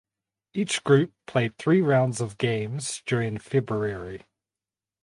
Each group played three rounds of games during February.